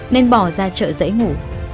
nên bỏ ra chợ dậy ngủ